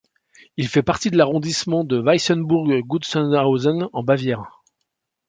Il fait partie de l'arrondissement de Weißenburg-Gunzenhausen en Bavière.